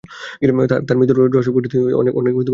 তার মৃত্যুর রহস্যময় পরিস্থিতি অনেক বিতর্কের বিষয় হয়ে উঠেছিল।